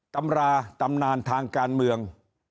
ตำราตำนานทางการเมือง